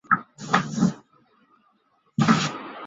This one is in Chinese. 科罗拉多镇区为美国堪萨斯州林肯县辖下的镇区。